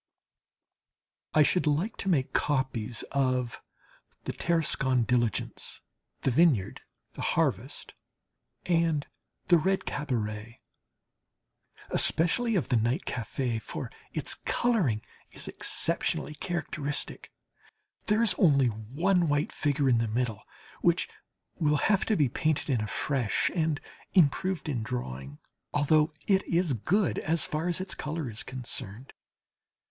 I should like to make copies of "The Tarascon Diligence," "The Vineyard," "The Harvest," and "The Red Cabaret," especially of the night café, for its colouring is exceptionally characteristic. There is only one white figure in the middle which will have to be painted in afresh and improved in drawing, although it is good as far as its colour is concerned.